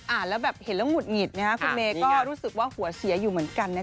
อ่านแล้วเห็นแล้วห่วงหวุดหงิดนะครับคุณเมก็รู้สึกว่าหัวเชียอยู่เหมือนกันนั่นจ้า